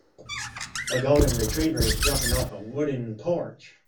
A golden retriever is jumping off a wooden porch